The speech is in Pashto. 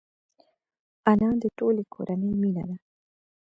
انا د ټولې کورنۍ مینه ده